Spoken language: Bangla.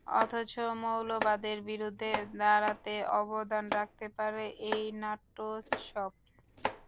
অথচ মৌলবাদের বিরুদ্ধে দাঁড়াতে অবদান রাখতে পারে এই নাট্যোৎসবই।